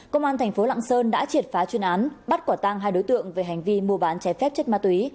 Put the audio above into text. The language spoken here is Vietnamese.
công an thành phố lạng sơn đã triệt phá chuyên án bắt quả tang hai đối tượng về hành vi mua bán trái phép chất ma túy